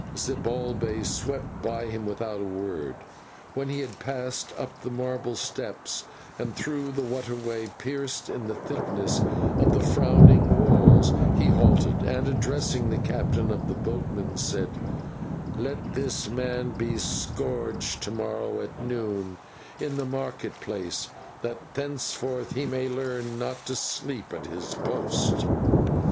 Zibalbay swept by him without a word. When he had passed up the marble steps, and through the water way, pierced in the thickness of the frowning walls, he halted, and, addressing the captain of the boatmen, said: "Let that man be scourged to morrow at noon in the market place, that henceforth he may learn not to sleep at his post!"